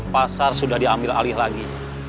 pasar sudah diambil alih lagi